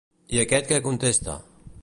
I aquest què contesta?